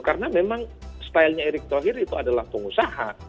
karena memang stylenya erick thohir itu adalah pengusaha